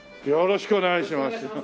よろしくお願いします